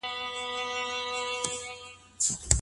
مېرمن بايد پوهه سي چي خاوند ورڅخه سخت ناراضه دی.